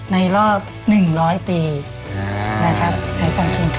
ในรอบ๑๐๐ปี